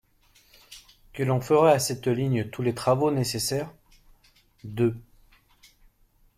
que l'on ferait à cette ligne tous les travaux nécessaires ; deux°.